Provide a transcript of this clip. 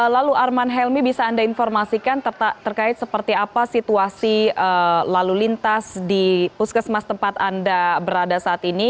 lalu arman helmi bisa anda informasikan terkait seperti apa situasi lalu lintas di puskesmas tempat anda berada saat ini